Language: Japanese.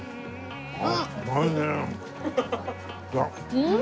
うん！